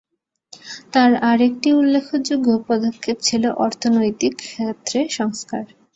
তাঁর আরেকটি উল্লেখযোগ্য পদক্ষেপ ছিল অর্থনৈতিক ক্ষেত্রে সংস্কার।